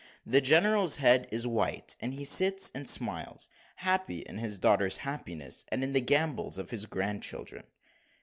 The general's head is white, and he sits and smiles, happy in his daughter's happiness, and in the gambols of his grandchildren.